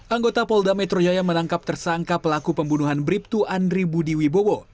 anggota polda metro jaya menangkap tersangka pelaku pembunuhan bribtu andri budi wibowo